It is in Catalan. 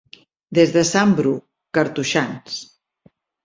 Des de sant Bru, cartoixans.